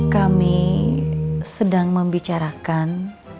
kami sedang membicarakan